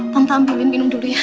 tanpa ambil minum dulu ya